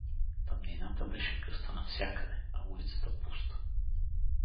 Тъмнината беше гъста навсякъде, а улицата пуста.